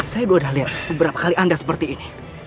saya udah liat beberapa kali anda seperti ini